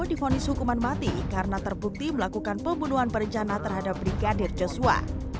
difonis hukuman mati karena terbukti melakukan pembunuhan berencana terhadap brigadir joshua